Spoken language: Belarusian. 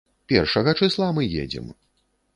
Першага чысла мы едзем.